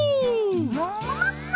もももっも！